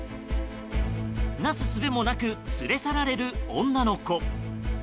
なすすべもなく連れ去られる女の子。